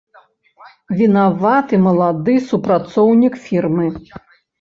Вінаваты малады супрацоўнік фірмы.